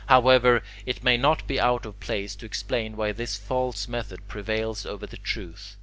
However, it may not be out of place to explain why this false method prevails over the truth.